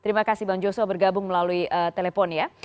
terima kasih bang joshua bergabung melalui telepon ya